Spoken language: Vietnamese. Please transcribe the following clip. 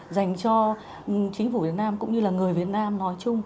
dành cho chính phủ việt nam cũng như là người việt nam nói chung